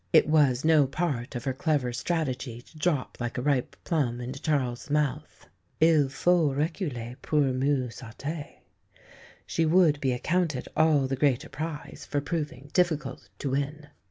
It was no part of her clever strategy to drop like a ripe plum into Charles's mouth. Il faut reculer pour mieux sauter. She would be accounted all the greater prize for proving difficult to win.